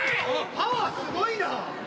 パワーすごいな。